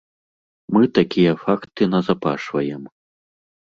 Мы такія факты назапашваем.